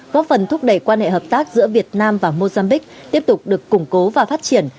góp phần thúc đẩy quan hệ hợp tác giữa việt nam và mozambique tiếp tục được củng cố và phát triển